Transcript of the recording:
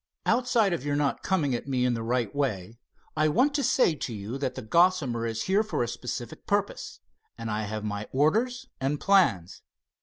Outside of your not coming at me in the right way, I want to say to you that the Gossamer is here for a specific purpose, and I have my orders and plans."